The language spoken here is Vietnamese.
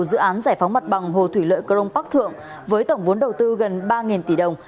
dự án giải phóng mặt bằng hồ thủy lợi crong park thượng với tổng vốn đầu tư gần ba tỷ đồng